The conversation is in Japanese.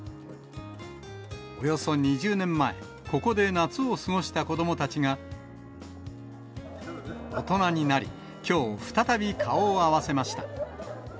およそ２０年前、ここで夏を過ごした子どもたちが、大人になり、きょう、再び顔を合わせました。